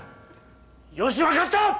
よし分かった！